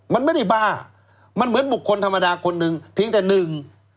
มันไม่ได้บ้ามันเหมือนบุคคลธรรมดาคนหนึ่งเพียงแต่หนึ่ง